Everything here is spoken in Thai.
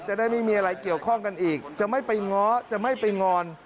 จะได้ไม่มีอะไรเกี่ยวข้องกันอีกจะไม่ไปง้อจะไม่ไปงอน